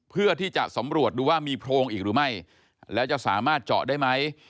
เพื่อที่จะสำรวจดูว่ามีโพรงอีกหรือไม่แล้วจะสามารถเจาะได้ไหม